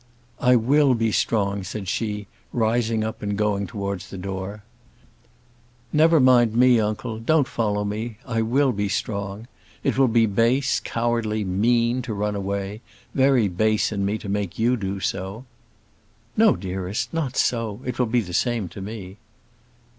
"I will be strong," said she, rising up and going towards the door. "Never mind me, uncle; don't follow me; I will be strong. It will be base, cowardly, mean, to run away; very base in me to make you do so." "No, dearest, not so; it will be the same to me."